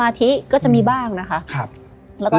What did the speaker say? และยินดีต้อนรับทุกท่านเข้าสู่เดือนพฤษภาคมครับ